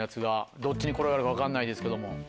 どっちに転がるか分かんないですけども。